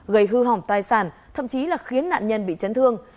gây hư hỏng tài sản thậm chí là khiến nạn nhân bị chấn thương